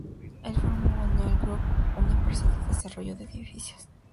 Él formó el O'Neal Group, una empresa de desarrollo de edificios.